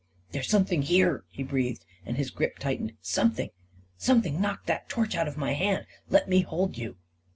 " There's something here !" he breathed, and his grip tightened. " Something — something knocked that torch out of my hand. Let me hold you."